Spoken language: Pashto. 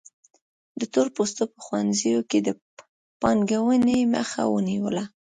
د تور پوستو په ښوونځیو کې د پانګونې مخه ونیوله.